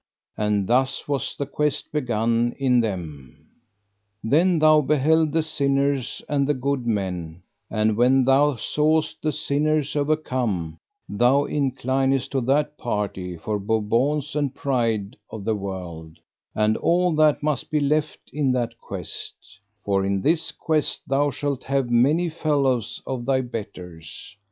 And thus was the quest begun in them. Then thou beheld the sinners and the good men, and when thou sawest the sinners overcome, thou inclinest to that party for bobaunce and pride of the world, and all that must be left in that quest, for in this quest thou shalt have many fellows and thy betters.